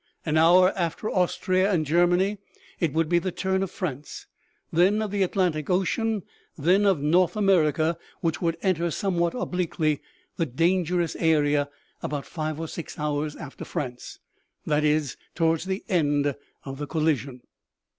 An hour after Austria and Germany it would be the turn of France, then of the Atlantic ocean, then of North America, which would enter somewhat obliquely the dangerous area about five or six hours after France that is, towards the end of the collision.